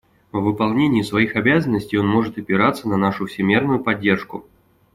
В выполнении своих обязанностей он может опираться на нашу всемерную поддержку.